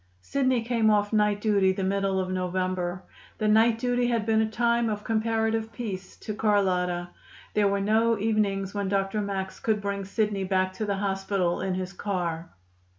Sidney came off night duty the middle of November. The night duty had been a time of comparative peace to Carlotta. There were no evenings when Dr. Max could bring Sidney back to the hospital in his car.